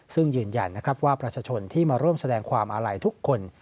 ซึ่งยืนยันนะครับว่าประชาชนที่มาร่วมแสดงความอาลัยทุกคน